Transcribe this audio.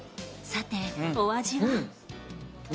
さてお味は？